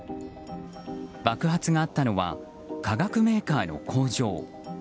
爆発があったのは化学メーカーの工場。